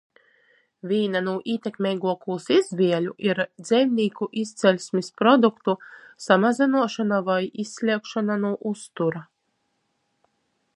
Vīna nu ītekmeiguokūs izvieļu ir dzeivinīku izceļsmis produktu samazynuošona voi izsliegšona nu uztura.